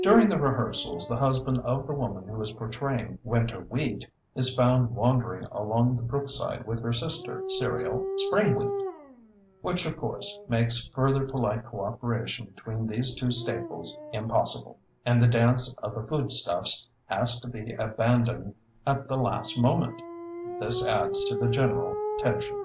During the rehearsals the husband of the woman who is portraying Winter Wheat is found wandering along the brookside with her sister cereal Spring Wheat, which, of course, makes further polite coöperation between these two staples impossible, and the Dance of the Food Stuffs has to be abandoned at the last moment. This adds to the general tension.